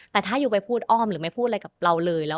แต่ถ้ายูไปพูดอ้อมหรือไม่พูดอะไรกับเราเลย